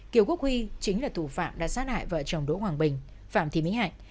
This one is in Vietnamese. kiều quốc huy chính là thủ phạm đã sát hại vợ chồng đỗ hoàng bình phạm thị mỹ hạnh